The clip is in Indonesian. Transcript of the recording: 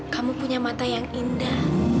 kamu punya mata yang indah